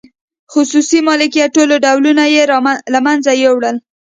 خصوصي مالکیت ټول ډولونه یې له منځه یووړل.